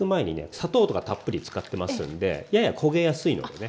砂糖とかたっぷり使ってますんでやや焦げやすいのでね